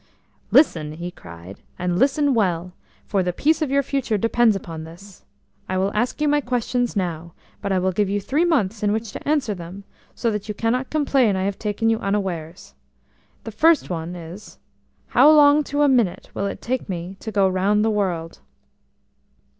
"Listen," he cried, "and listen well! For the peace of your future depends upon this. I will ask you my questions now, but I will give you three months in which to answer them, so that you cannot complain I have taken you unawares. The first one is, how long to a minute will it take me to go round the world?"